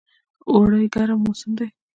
اوړی ګرم موسم دی